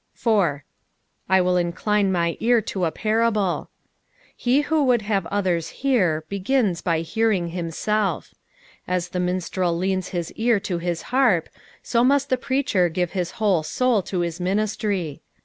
" I wiU indinemine ear to a parable.'''' He who would have others hear, begins by hearing himself. As the minstrel leans his ear to his harp, so must the preacher give his whole soul to his ministry.